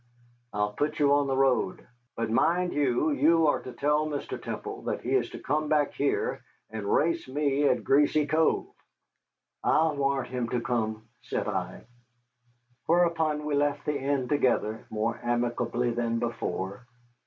"I'll put you on the road. But mind you, you are to tell Mr. Temple that he is to come back here and race me at Greasy Cove." "I'll warrant him to come," said I. Whereupon we left the inn together, more amicably than before.